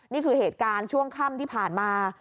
นี่คือเหตุการณ์ช่วงค่ำที่ผ่านมา